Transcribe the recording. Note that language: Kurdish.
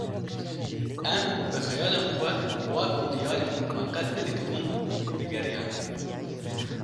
em bi xeyalên xwe war û diyarên ku me qet nedîtibûn digeriyan